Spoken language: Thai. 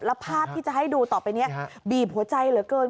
แล้วภาพที่จะให้ดูต่อไปนี้บีบหัวใจเหลือเกิน